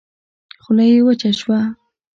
خوله يې وچه شوه.